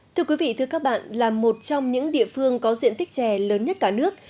thưa quý vị thưa các bạn là một trong những địa phương có diện tích chè lớn nhất cả nước